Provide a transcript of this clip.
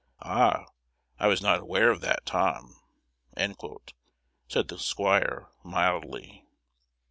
"Ah, I was not aware of that, Tom," said the squire, mildly.